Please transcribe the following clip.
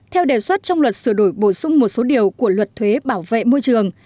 theo đề xuất trong luật sửa đổi bổ sung một số điều của luật thuế bảo vệ môi trường